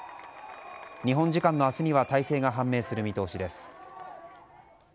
日本時間の明日には大勢が判明する見通しです。